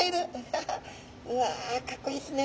わあかっこいいですね。